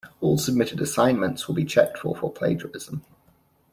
All submitted assignments will be checked for for plagiarism.